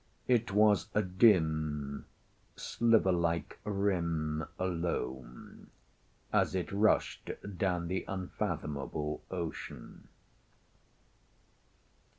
It was a dim, sliver like rim, alone, as it rushed down the unfathomable ocean.